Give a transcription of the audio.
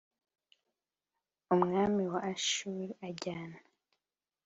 Umwami wa ashuri ajyana